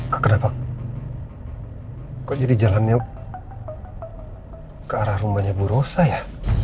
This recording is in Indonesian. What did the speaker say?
kak kenapa kok jadi jalannya ke arah rumahnya bu rosa ya